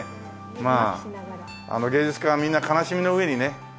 まあ芸術家はみんな悲しみの上にね生きるからね。